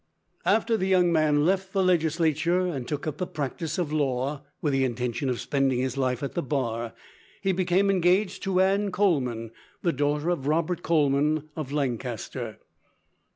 After the young man left the legislature and took up the practice of law, with the intention of spending his life at the bar, he became engaged to Anne Coleman, the daughter of Robert Coleman, of Lancaster.